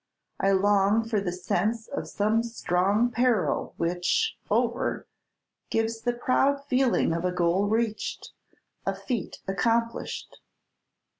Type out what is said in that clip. I long for the sense of some strong peril which, over, gives the proud feeling of a goal reached, a feat accomplished."